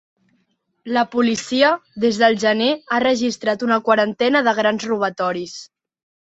La policia, des del gener, ha registrat una quarantena de grans robatoris.